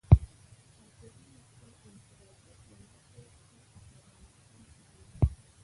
کافرانو خپل انفرادیت له لاسه ورکړ او په افغانستان کې جذب شول.